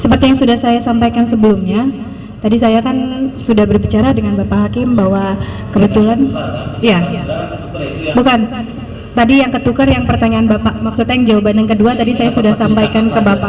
seperti yang sudah saya sampaikan sebelumnya tadi saya kan sudah berbicara dengan bapak hakim bahwa kebetulan ya bukan tadi yang ketukar yang pertanyaan bapak maksudnya yang jawaban yang kedua tadi saya sudah sampaikan ke bapak